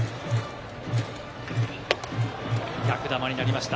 逆球になりました。